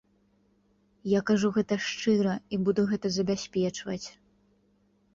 Я кажу гэта шчыра і буду гэта забяспечваць.